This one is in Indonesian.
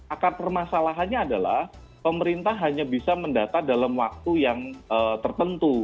akar permasalahannya adalah pemerintah hanya bisa mendata dalam waktu yang tertentu